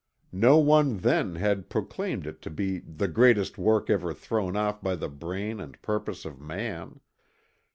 No one then had proclaimed it to be "the greatest work ever thrown off by the brain and purpose of man."